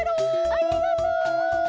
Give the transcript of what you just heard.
ありがとう！